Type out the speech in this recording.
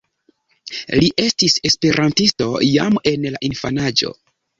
Li estis esperantisto jam en la infanaĝo.